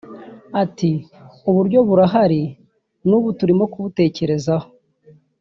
Ati “Uburyo burahari n’ubu turimo kubutekerezaho